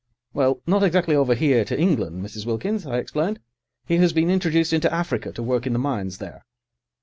"Well, not exactly over here, to England, Mrs. Wilkins," I explained. "He has been introduced into Africa to work in the mines there."